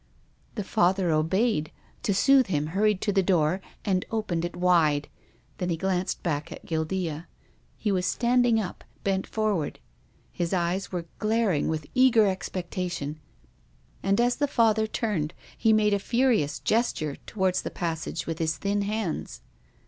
The Father obeyed — to soothe him, hurried to the door and opened it wide. Then he glanced back at Guildea. He was standing up, bent for ward. His eyes were glaring with eager expecta tion, and, as the Father turned, he made a furious gesture towards the passage with his thin hands.